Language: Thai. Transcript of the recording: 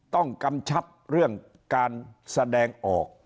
กำชับเรื่องการแสดงออก